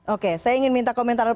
oke saya ingin minta komentar